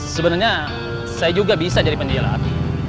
sebenernya saya juga bisa jadi penjilat